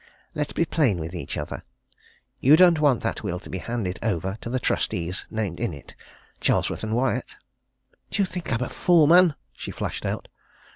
Let's be plain with each other. You don't want that will to be handed over to the trustees named in it, Charlesworth & Wyatt?" "Do you think I'm a fool man!" she flashed out.